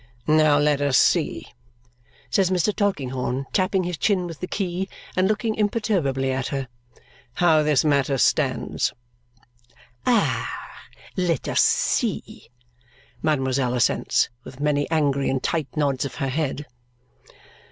"Now, let us see," says Mr. Tulkinghorn, tapping his chin with the key and looking imperturbably at her, "how this matter stands." "Ah! Let us see," mademoiselle assents, with many angry and tight nods of her head.